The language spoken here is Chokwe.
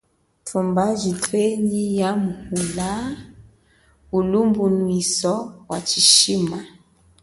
Tumbaji twenyi yaamuhula ulumbunwiso wa chishima.